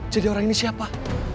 jadi orang ini siapa